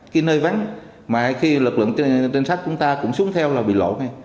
khi nơi vánh mà khi lực lượng trinh sát chúng ta cũng xuống theo là bị lộ ngay